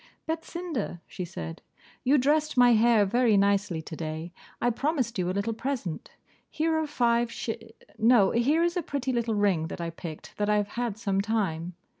'Betsinda!' she said, 'you dressed my hair very nicely today; I promised you a little present. Here are five sh no, here is a pretty little ring, that I picked that I have had some time.